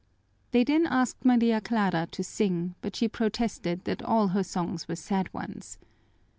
They then asked Maria Clara to sing, but she protested that all her songs were sad ones.